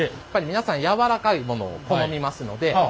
皆さん柔らかいものを好みますので。